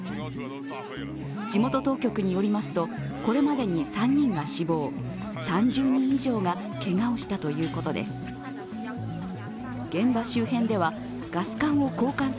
地元当局によりますとこれまでに３人が死亡３０人以上がけがをしたということです。